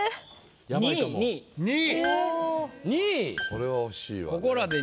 これは惜しいわね。